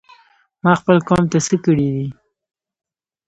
ما خپل قوم ته څه کړي دي؟!